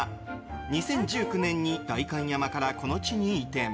２０１９年に代官山からこの地に移転。